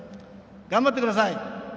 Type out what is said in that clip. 頑張ってください。